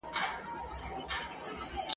غیږي ته مي راسي مینه مینه پخوانۍ !.